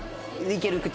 いける口。